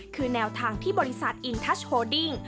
คือแนวทางที่บริษัทอินทัชโชดิ้ง